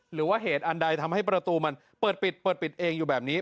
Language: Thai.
หรือว่าเหตุอันใดทำให้ประตูมันเปิดปิดเปิดปิดเองอยู่แบบนี้